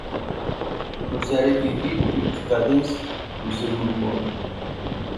Mozart écrivit deux cadences pour ce mouvement.